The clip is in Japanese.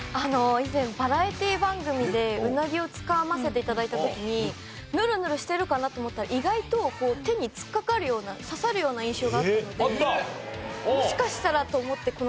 以前バラエティー番組でうなぎをつかませて頂いた時にヌルヌルしてるかなと思ったら意外と手に突っかかるような刺さるような印象があったのでもしかしたらと思って感覚に頼りました。